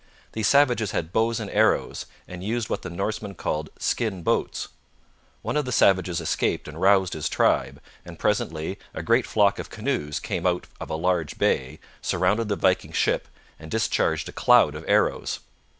These savages had bows and arrows, and used what the Norsemen called 'skin boats.' One of the savages escaped and roused his tribe, and presently a great flock of canoes came out of a large bay, surrounded the Viking ship, and discharged a cloud of arrows.